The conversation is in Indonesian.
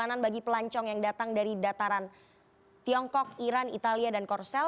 perjalanan bagi pelancong yang datang dari dataran tiongkok iran italia dan korsel